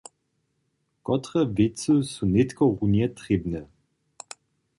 Kotre wěcy su nětko runje trěbne?